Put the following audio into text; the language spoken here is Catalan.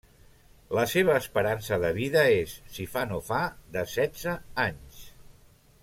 La seva esperança de vida és, si fa no fa, de setze anys.